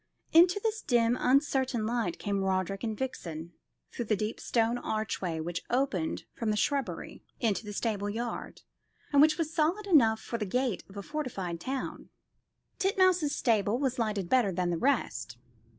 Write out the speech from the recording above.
Into this dim uncertain light came Roderick and Vixen, through the deep stone archway which opened from the shrubbery into the stable yard, and which was solid enough for the gate of a fortified town. Titmouse's stable was lighted better then the rest.